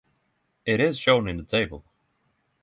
It is shown in the table.